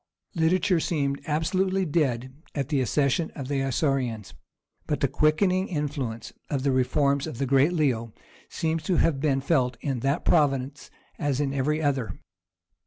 Literature seemed absolutely dead at the accession of the Isaurians, but the quickening influence of the reforms of the great Leo seems to have been felt in that province as in every other.